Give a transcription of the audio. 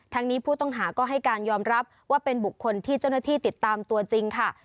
นี้ผู้ต้องหาก็ให้การยอมรับว่าเป็นบุคคลที่เจ้าหน้าที่ติดตามตัวจริงค่ะ